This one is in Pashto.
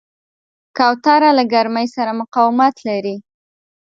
کوتره له ګرمۍ سره مقاومت لري.